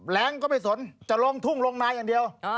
แรงก็ไม่สนจะลงทุ่งลงนาอย่างเดียว